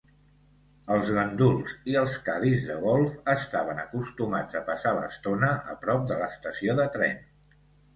Els ganduls i els cadis de golf estaven acostumats a passar l'estona a prop de l'estació de tren.